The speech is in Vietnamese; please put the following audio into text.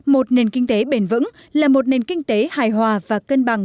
một nền kinh tế bền vững là một nền kinh tế hài hòa và cân bằng